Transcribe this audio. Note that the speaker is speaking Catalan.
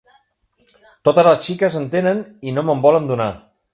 Totes les xiques en tenen i no me’n volen donar.